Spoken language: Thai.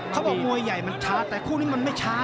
มวยใหญ่มันช้าแต่คู่นี้มันไม่ช้า